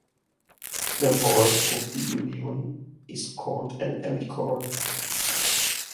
The horn of the union is called an alicorn.